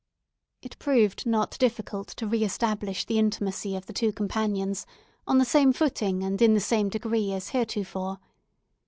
It proved not difficult to re establish the intimacy of the two companions, on the same footing and in the same degree as heretofore.